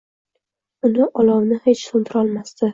Uni olovni hech so’ndirolmasdi.